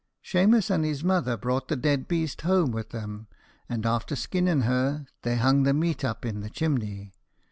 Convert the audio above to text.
Shemus and his mother brought the dead beast home with them; and, after skinnen her, hung the meat up in the chimney.